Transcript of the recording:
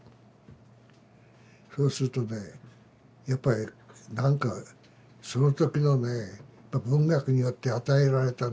そうするとねやっぱり何かその時のね文学によって与えられたね